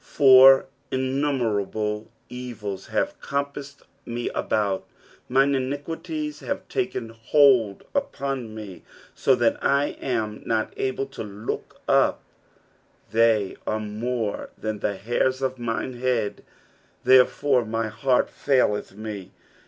12 For innumerable evils have compa.'ised me about: mine iniquities have taken hold upon me, so that I am not able to look up ; they are more than the hairs of mine head : therefore my heart faileth me.